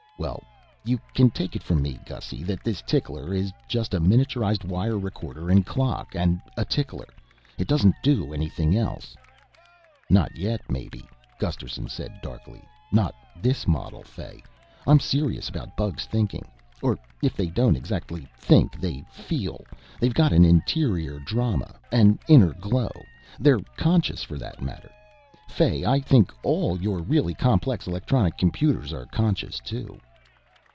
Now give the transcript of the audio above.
"Well, you can take it from me, Gussy, that this tickler is just a miniaturized wire recorder and clock ... and a tickler. It doesn't do anything else." "Not yet, maybe," Gusterson said darkly. "Not this model. Fay, I'm serious about bugs thinking. Or if they don't exactly think, they feel. They've got an interior drama. An inner glow. They're conscious. For that matter, Fay, I think all your really complex electronic computers are conscious too."